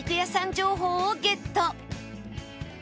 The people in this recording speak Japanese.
情報をゲット